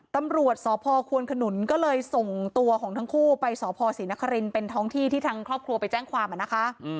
ตำรวจสพควนขนุนก็เลยส่งตัวของทั้งคู่ไปสพศรีนครินเป็นท้องที่ที่ทางครอบครัวไปแจ้งความนะคะ